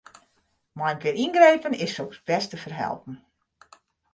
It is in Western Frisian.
Mei in pear yngrepen is soks bêst te ferhelpen.